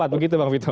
begitu bang finto